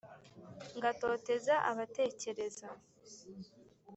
ngatoteza abatekereza